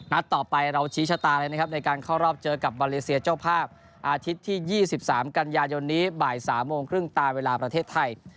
ต่อไปเราชี้ชะตาเลยนะครับในการเข้ารอบเจอกับมาเลเซียเจ้าภาพอาทิตย์ที่๒๓กันยายนนี้บ่าย๓โมงครึ่งตามเวลาประเทศไทย